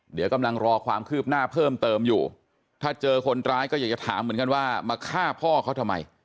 เดี๋ยวกำลังรอความคืบหน้าเพิ่มเติมอยู่ถ้าเจอคนร้ายก็อยากจะถามเหมือนกันว่ามาฆ่าพ่อเขาทำไม